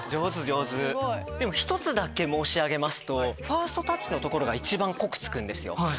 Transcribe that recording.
すごい！１つだけ申し上げますとファーストタッチの所が一番濃くつくんですよ。